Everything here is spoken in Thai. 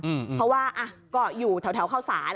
อืมอืมเพราะว่าอ่ะก็อยู่แถวเข้าสาร